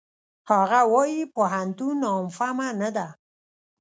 هغه وايي پوهنتون عام فهمه نه ده.